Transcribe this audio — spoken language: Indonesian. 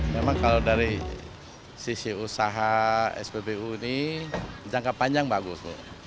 memang kalau dari sisi usaha spbu ini jangka panjang bagus